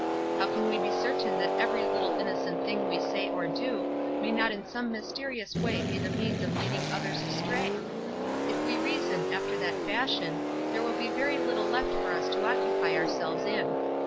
How can we be certain that every little innocent thing we say or do may not in some mysterious way be the means of lending others astray? If we reason after that fashion there will be very little left for us to occupy ourselves in.